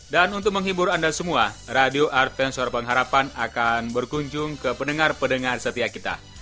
dan untuk menghibur anda semua radio advent suara pengharapan akan berkunjung ke pendengar pendengar setia kita